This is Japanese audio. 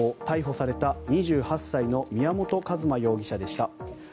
逮捕された２８歳の宮本一馬容疑者でした。